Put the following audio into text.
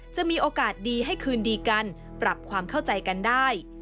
จะมีโอกาสดีให้คืนดีกันปรับความเข้าใจกันได้